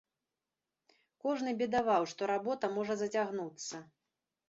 Кожны бедаваў, што работа можа зацягнуцца.